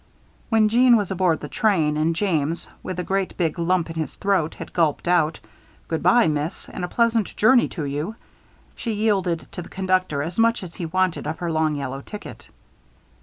When Jeanne was aboard the train and James, with a great big lump in his throat, had gulped out: "Good by, Miss, and a pleasant journey to you," she yielded to the conductor as much as he wanted of her long yellow ticket.